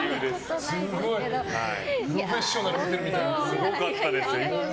すごかった、今の。